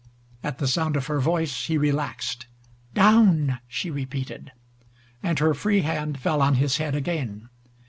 At the sound of her voice he relaxed. "Down!" she repeated, and her free hand fell on his head again.